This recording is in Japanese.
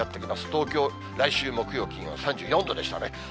東京、来週木曜、金曜、３４度でしたね。